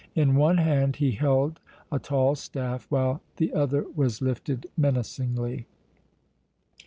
In one hand he held a tall staff, while the other was lifted menacingly.